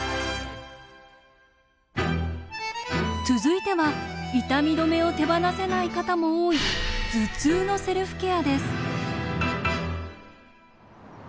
続いては痛み止めを手放せない方も多い頭痛のセルフケアです。